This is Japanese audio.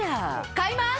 買います！